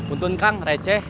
untung kang receh